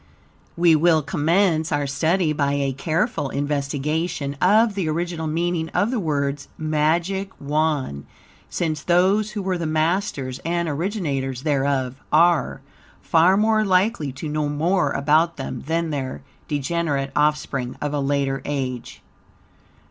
We will commence our study by a careful investigation of the original meaning of the words Magic Wand, since those who were the masters and originators thereof, are far more likely to know more about them than their degenerate offspring of a later age.